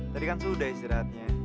tadi kan sudah istirahatnya